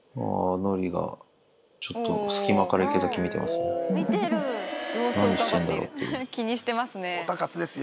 のりがちょっと隙間から池崎見てますよ。